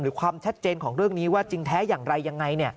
ความชัดเจนของเรื่องนี้ว่าจริงแท้อย่างไรยังไง